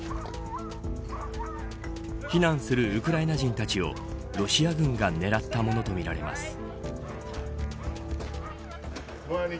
避難するウクライナ人たちをロシア軍が狙ったものとみられます。